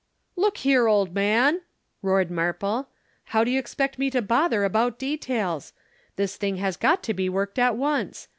"'"Look here, old man!" roared Marple. "How do you expect me to bother about details? This thing has got to be worked at once.